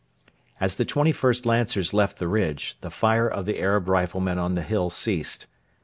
As the 21st Lancers left the ridge, the fire of the Arab riflemen on the hill ceased.